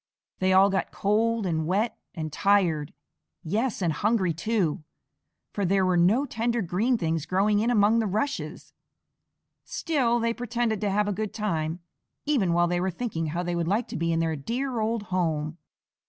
They all got cold and wet and tired yes, and hungry too, for there were no tender green things growing in among the rushes. Still they pretended to have a good time, even while they were thinking how they would like to be in their dear old home.